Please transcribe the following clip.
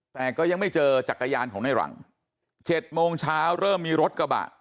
แต่ก็ยังไม่เจอจักรยานของในหลัง๗โมงเช้าเริ่มมีรถกระบะ